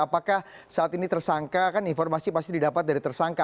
apakah saat ini tersangka kan informasi pasti didapat dari tersangka